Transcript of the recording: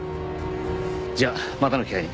じゃあまたの機会に。